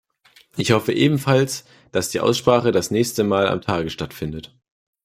Ich hoffe ebenfalls, dass die Aussprache das nächste Mal am Tage stattfindet.